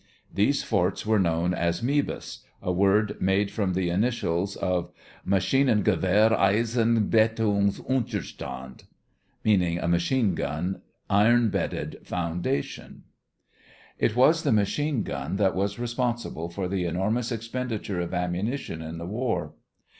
These forts were known as Mebus, a word made from the initials of "Maschinengewehr Eisen Bettungs Unterstand," meaning a machine gun iron bedded foundation. It was the machine gun that was responsible for the enormous expenditure of ammunition in the war.